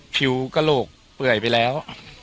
ผิวกระโหลกเปื่อยไปแล้ว